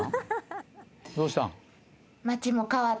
どうしたん？